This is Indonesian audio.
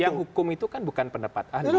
yang hukum itu kan bukan pendapat anda